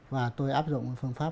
và tôi áp dụng phương pháp